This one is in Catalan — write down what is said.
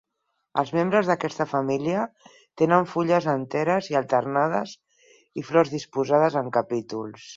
Els membres d'aquesta família tenen fulles enteres i alternades i flors disposades en capítols.